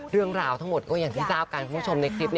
เรื่องราวทั้งหมดก็อย่างที่ทราบกันคุณผู้ชมในคลิป